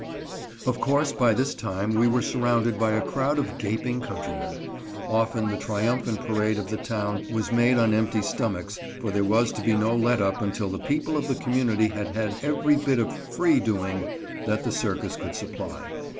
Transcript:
Of course, by this time, we were surrounded by a crowd of gaping countrymen. Often the triumphant parade of the town was made on empty stomachs, for there was to be no letup until the people of the community had had every bit of "free doing" that the circus could supply.